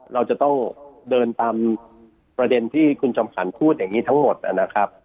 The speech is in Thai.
เราจะต้องเดินตามประเด็นที่คุณจอมขวัญพูดอย่างนี้ทั้งหมดนะครับ